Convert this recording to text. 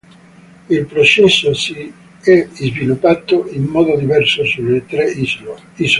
Il processo si è sviluppato in modo diverso sulle tre isole.